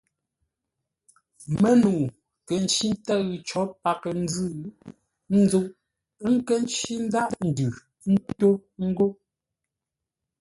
Mə́nəu kə̂ ncí ntə́ʉ có paghʼə-nzʉ̂ ńzúʼ, ə́ nkə́ ncí ńdághʼ ndʉ ntó ngô.